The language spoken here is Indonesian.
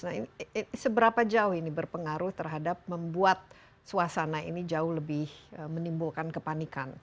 nah ini seberapa jauh ini berpengaruh terhadap membuat suasana ini jauh lebih menimbulkan kepanikan